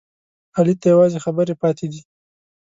علي ته یوازې خبرې پاتې دي.